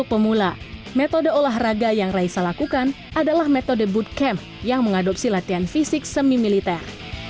untuk pemula metode olahraga yang raisa lakukan adalah metode bootcamp yang mengadopsi latihan fisik semi militer